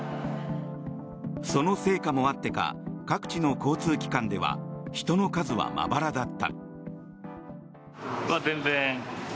その成果もあってか各地の交通機関では人の数はまばらだった。